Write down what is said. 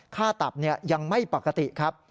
ตับยังไม่ปกติครับ